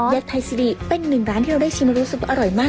ไทยซิริเป็นหนึ่งร้านที่เราได้ชิมแล้วรู้สึกว่าอร่อยมาก